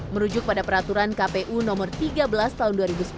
merujuk pada peraturan kpu nomor tiga belas tahun dua ribu sepuluh